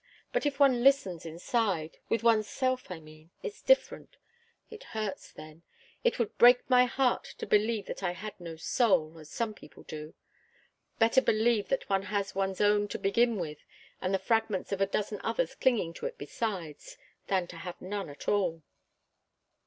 But if one listens inside, with one's self, I mean, it's different. It hurts, then. It would break my heart to believe that I had no soul, as some people do. Better believe that one has one's own to begin with, and the fragments of a dozen others clinging to it besides, than to have none at all."